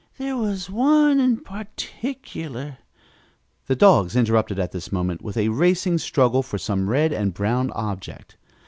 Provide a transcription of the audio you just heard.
"There was one in particular " The dogs interrupted at this moment with a racing struggle for some red and brown object.